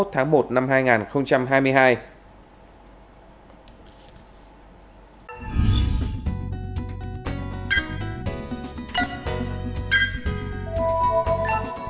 tháng một năm hai nghìn hai mươi hai